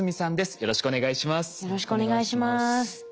よろしくお願いします。